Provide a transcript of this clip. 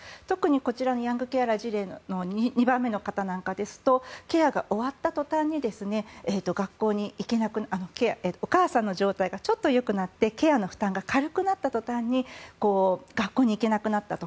こちらのヤングケアラーの事例の２番目の方ですとお母さんの状態がちょっとよくなってケアの負担が軽くなった途端に学校に行けなくなったと。